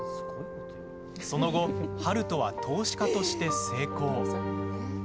その後、悠人は投資家として成功。